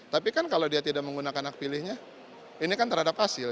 tapi kan kalau dia tidak menggunakan hak pilihnya ini kan terhadap hasil